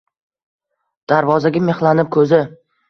Darvozaga mixlanib ko’zi